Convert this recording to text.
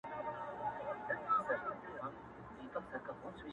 د ميني كرښه د رحمت اوبو لاښه تازه كــــــړه ـ